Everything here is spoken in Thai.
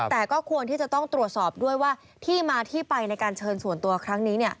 แต่ก็ควรที่จะต้องตรวจสอบด้วยว่าที่มาที่ไปในการเชิญส่วนตัวครั้งนี้